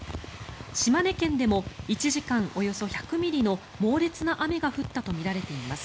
島根県でも１時間およそ１００ミリの猛烈な雨が降ったとみられています。